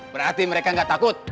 berarti mereka nggak takut